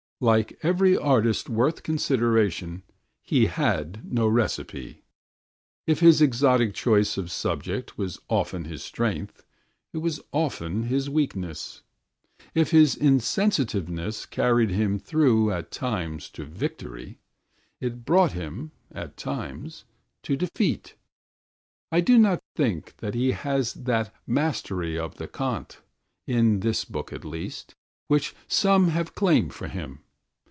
Like every artist worth consideration, he had no recipe. If his exotic choice of subject was often his strength, it was often his weakness; if his insensitiveness carried him through, at times, to victory, it brought him, at times, to defeat. I do not think that he has that "mastery of the CONTE" in this book at least which some have claimed for him.